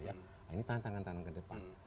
nah ini tantangan tantangan ke depan